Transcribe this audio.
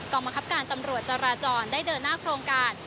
กรรมคับการตำรวจจราจรได้เดินหน้าโครงการ